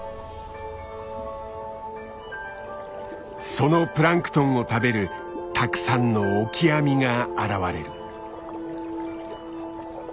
そのプランクトンを食べるたくさんのオキアミが現れる。